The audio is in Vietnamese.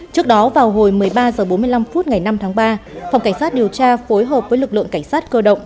trước đó vào hồi một mươi ba h bốn mươi năm phút ngày năm tháng ba phòng cảnh sát điều tra phối hợp với lực lượng cảnh sát cơ động